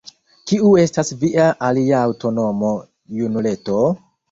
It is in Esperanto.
kiu estas via alia antaŭnomo, junuleto?